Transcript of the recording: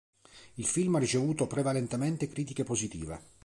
Il film ha ricevuto prevalentemente critiche positive.